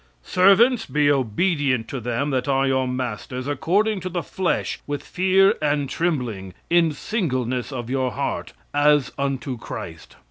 "Servants, be obedient to them that are your masters according to the flesh, with fear and trembling, in singleness of your heart, as unto Christ.